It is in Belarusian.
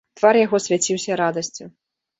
Твар яго свяціўся радасцю.